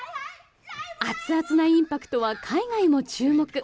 アツアツなインパクトは海外も注目。